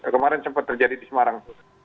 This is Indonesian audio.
kemarin sempat terjadi di semarang